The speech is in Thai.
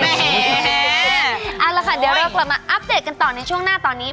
เอาละค่ะเดี๋ยวเรากลับมาอัปเดตกันต่อในช่วงหน้าตอนนี้